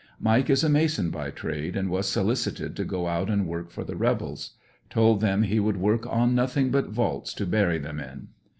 Mike is a mason by trade, and was solicited to go out and work for the rebels Told them he would work on nothing but vaults to bury them in.